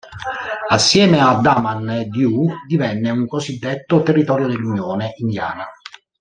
Assieme a Daman e Diu divenne un cosiddetto "territorio dell'Unione" indiana.